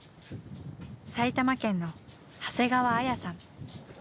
埼玉県の長谷川綾さん。